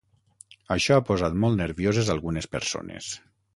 Això ha posat molt nervioses algunes persones.